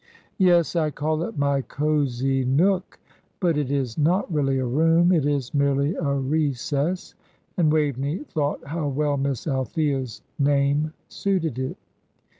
"Yes, I call it my cosy nook. But it is not really a room, it is merely a recess." And Waveney thought how well Miss Althea's name suited it.